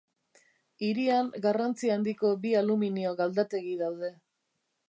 Hirian garrantzi handiko bi aluminio-galdategi daude.